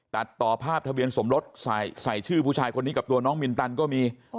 ตัดต่อภาพทะเบียนสมรสใส่ชื่อผู้ชายคนนี้กับตัวน้องมินตันก็มี